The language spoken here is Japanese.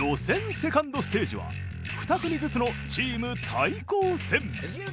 セカンドステージは２組ずつのチーム対抗戦。